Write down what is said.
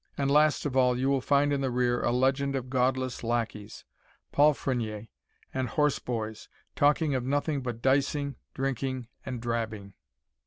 And last of all, you will find in the rear a legend of godless lackies, palfreniers, and horse boys, talking of nothing but dicing, drinking, and drabbing."